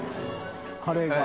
カレーが。